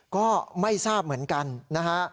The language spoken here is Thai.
ก็ไม่ทราบเหมือนกันนะฮะ